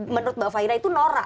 menurut mbak faira itu norak